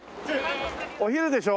お昼でしょ？